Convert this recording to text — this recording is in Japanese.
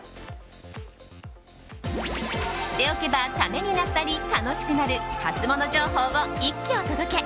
知っておけばためになったり楽しくなるハツモノ情報を一挙お届け。